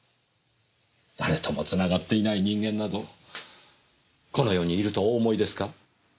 誰ともつながっていない人間などこの世にいるとお思いですか？